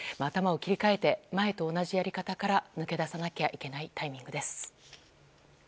頭を切り替えて前と同じやり方から抜け出さなきゃいけないタイミングです。